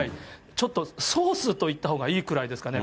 ちょっとソースといったほうがいいくらいですかね。